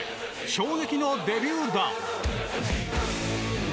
衝撃のデビュー弾。